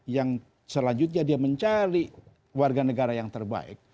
yang selanjutnya dia mencari warga negara yang terbaik